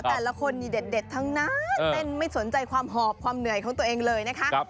แต่ละคนนี่เด็ดทั้งนั้นเต้นไม่สนใจความหอบความเหนื่อยของตัวเองเลยนะคะ